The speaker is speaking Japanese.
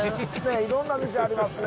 いろんな店ありますね